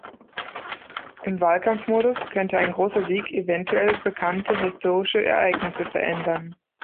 Im Wahlkampfmodus könnte ein großer Sieg eventuell bekannte historische Ereignisse verändern.